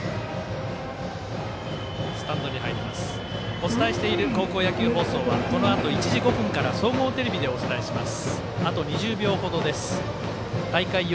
お伝えしている高校野球放送はこのあと１時５分から総合テレビでお伝えします。